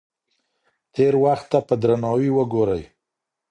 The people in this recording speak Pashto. تېر وخت ته په درناوي وګورئ.